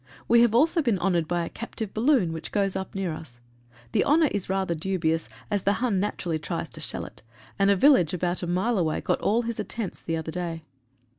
We have also been honoured by a captive balloon which goes up near us. The honour is rather dubious, as the Hun naturally tries to shell it, and a village about a mile away got all his attempts the other day.